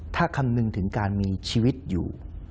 ถ้าคำนึงถึงการมีชีวิตอยู่